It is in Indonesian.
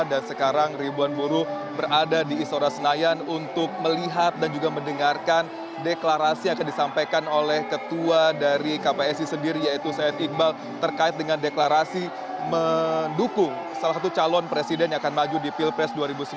dan sekarang ribuan buruh berada di istora senayan untuk melihat dan juga mendengarkan deklarasi yang akan disampaikan oleh ketua dari kpsi sendiri yaitu syed iqbal terkait dengan deklarasi mendukung salah satu calon presiden yang akan maju di pilpres dua ribu sembilan belas